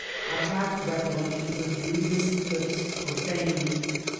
I have recollec tions of beauteous hps pro&ned.